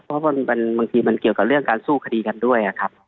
เพราะบางทีมันเกี่ยวกับเรื่องการสู้คดีกันด้วยครับ